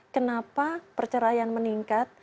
kenapa perceraian meningkat